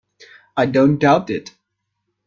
I don't doubt it!